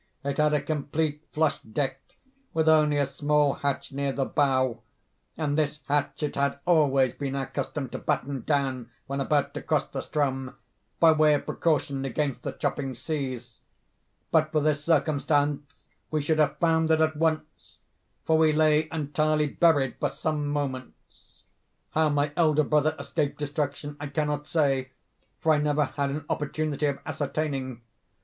It had a complete flush deck, with only a small hatch near the bow, and this hatch it had always been our custom to batten down when about to cross the Ström, by way of precaution against the chopping seas. But for this circumstance we should have foundered at once—for we lay entirely buried for some moments. How my elder brother escaped destruction I cannot say, for I never had an opportunity of ascertaining.